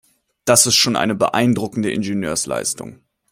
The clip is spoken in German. Das ist schon eine beeindruckende Ingenieursleistung.